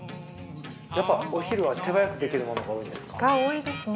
やっぱお昼は手早くできるものが多いんですか？が多いですね